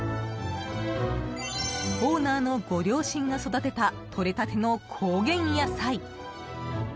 オーナーのご両親が育てたとれたての高原野菜。